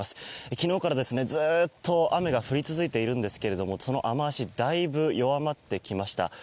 昨日からずっと雨が降り続いているんですけれどもその雨脚だいぶ弱まってきました。